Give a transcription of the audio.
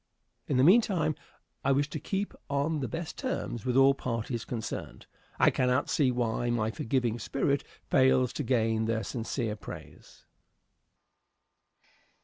In the meantime I wish to keep on the best terms with all parties concerned. I cannot see why my forgiving spirit fails to gain their sincere praise.